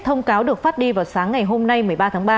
thông cáo được phát đi vào sáng ngày hôm nay một mươi ba tháng ba